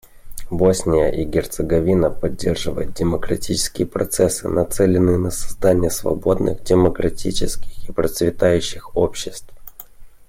Босния и Герцеговина поддерживает демократические процессы, нацеленные на создание свободных, демократических и процветающих обществ.